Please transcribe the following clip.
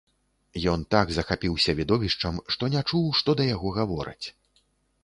Ён так захапіўся відовішчам, што не чуў, што да яго гавораць.